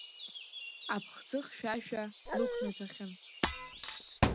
Аԥхӡы хьшәашәа лықәнаҭәахьан.